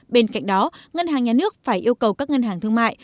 bên cạnh đó ngân hàng nhà nước phải yêu cầu các ngân hàng thương mại